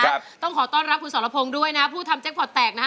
ครับต้องขอต้อนรับคุณสอรพงด้วยนะฮะผู้ทำแจ๊คพอตแตกนะฮะ